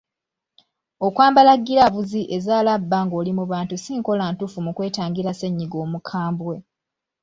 Okwambala giraavuzi eza labba ng’oli mu bantu si nkola ntuufu mu kwetangira ssennyiga omukambwe.